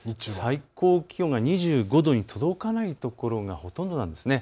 最高気温が２５度に届かない所がほとんどなんです。